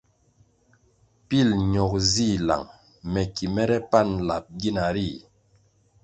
Pil ñogo zih lang me ki mere pani lap gina ri.